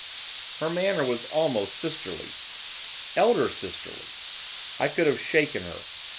Her manner was almost sisterly, elder sisterly. I could have shaken her.